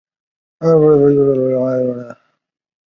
互补事件的一个特别例子是互补且互斥的事件。